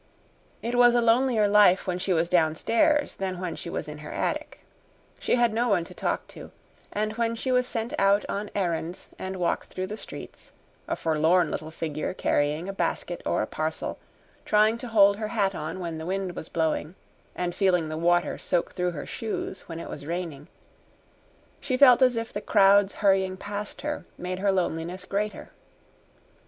It was a lonelier life when she was downstairs than when she was in her attic. She had no one to talk to; and when she was sent out on errands and walked through the streets, a forlorn little figure carrying a basket or a parcel, trying to hold her hat on when the wind was blowing, and feeling the water soak through her shoes when it was raining, she felt as if the crowds hurrying past her made her loneliness greater.